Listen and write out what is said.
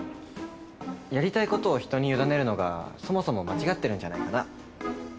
やりたいことを人に委ねるのがそもそも間違ってるんじゃないかな